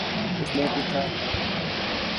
اس نے پوچھا